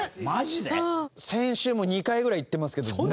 先週も、２回ぐらい行ってますけど、なんにも。